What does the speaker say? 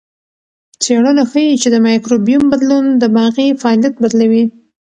څېړنه ښيي چې د مایکروبیوم بدلون دماغي فعالیت بدلوي.